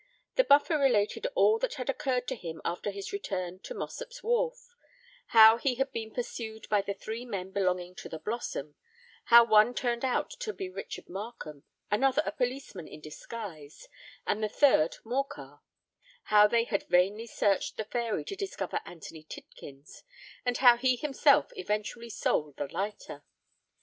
The Buffer related all that had occurred to him after his return to Mossop's wharf,—how he had been pursued by the three men belonging to the Blossom,—how one turned out to be Richard Markham, another a policeman in disguise, and the third Morcar,—how they had vainly searched the Fairy to discover Anthony Tidkins,—and how he himself eventually sold the lighter.